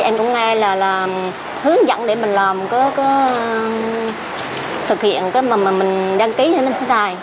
em cũng nghe là hướng dẫn để mình làm có thực hiện cái mà mình đăng ký như thế này